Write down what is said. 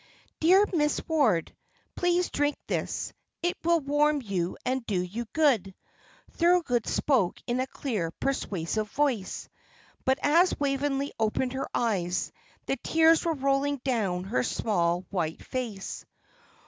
"Dear Miss Ward, please drink this; it will warm you and do you good." Thorold spoke in a clear, persuasive voice. But as Waveney opened her eyes, the tears were rolling down her small white face.